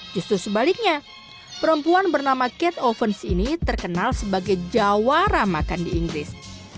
justru sebaliknya perempuan bernama kate ovens ini terkenal sebagai jawara makan di inggris